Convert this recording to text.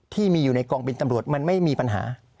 ที่มีอยู่ในกองบินตำรวจมันไม่มีปัญหา